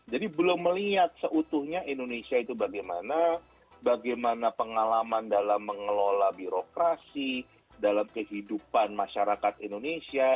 jadi belum melihat seutuhnya indonesia itu bagaimana bagaimana pengalaman dalam mengelola birokrasi dalam kehidupan masyarakat indonesia